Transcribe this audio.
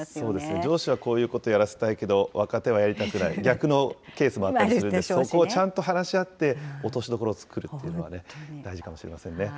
上司はこういうことをやらせたいけど、若手はやりたくない、逆のケースもあったり、そこをちゃんと話し合って落としどころを作るっていうのはね、大事かもしれませんね。